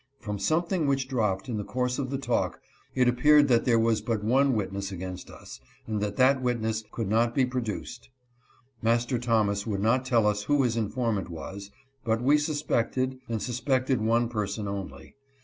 From something which 214 PUT IN JAIL. dropped, in the course of the talk, it appeared that there was but one witness against us, and that that witness could not be produced. Master Thomas would not tell us who his informant was, but we suspected, and suspected one person only.